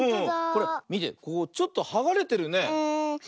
これみてここちょっとはがれてるね。